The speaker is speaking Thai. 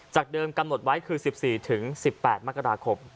จากเดิมกำหนดไว้คือ๑๔๑๘มค